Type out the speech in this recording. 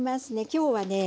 今日はね